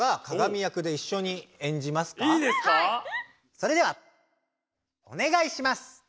それではおねがいします！